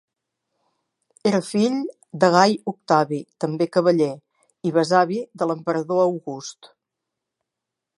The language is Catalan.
Era fill de Gai Octavi, també cavaller, i besavi de l'emperador August.